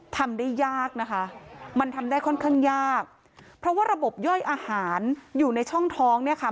ทำได้ยากนะคะมันทำได้ค่อนข้างยากเพราะว่าระบบย่อยอาหารอยู่ในช่องท้องเนี่ยค่ะ